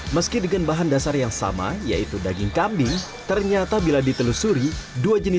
meski dengan bahan dasar yang sama yaitu daging kambing ternyata bila ditelusuri dua jenis